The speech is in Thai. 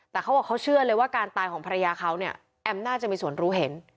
แต่เขาบอกเขาเชื่อเลยว่าการตายของภรรยาเขาเนี่ยแอมน่าจะมีส่วนรู้เห็น